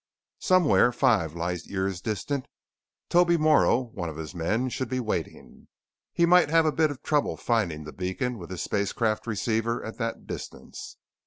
Somewhere five light years distant, Toby Morrow, one of his men, should be waiting. He might have a bit of trouble finding the beacon with his spacecraft receiver at that distance.